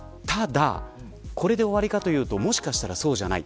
これで終わりかというともしかしたらそうじゃない。